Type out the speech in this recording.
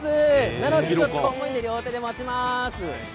なので重いので両手で持ちます。